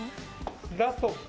ラスト。